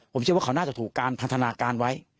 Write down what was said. ผมเชื่อว่าเขาน่าจะถูกการพันธนาการไว้